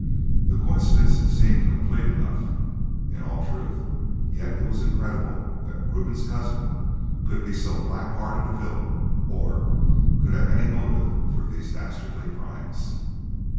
The coincidence seemed complete enough, in all truth; yet it was incredible that Reuben's cousin could be so blackhearted a villain or could have any motive for these dastardly crimes.